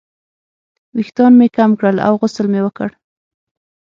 ویښتان مې کم کړل او غسل مې وکړ.